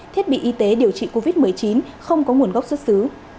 thiết bị y tế điều trị covid một mươi chín không có nguồn gốc xuất xứ